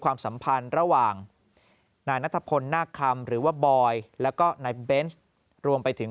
ความสัมพันธ์ระหว่างนายนัทพลนาคคำหรือว่าบอยแล้วก็นายเบนส์รวมไปถึง